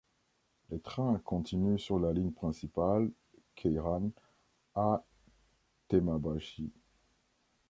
Les trains continuent sur la ligne principale Keihan à Temmabashi.